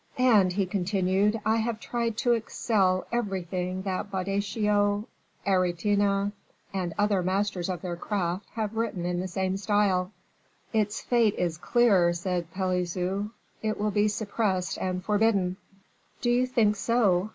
"And," he continued, "I have tried to excel everything that Boccaccio, Aretin, and other masters of their craft have written in the same style." "Its fate is clear," said Pelisson; "it will be suppressed and forbidden." "Do you think so?"